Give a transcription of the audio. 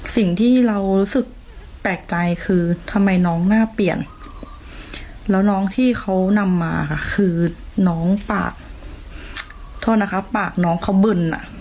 สิ่งที่เรารู้สึกแปลกใจคือทำไมน้องหน้าเปลี่ยนแล้วน้องที่เขานำมาค่ะคือน้องปากโทษนะคะปากน้องเขาเบิ่นอ่ะ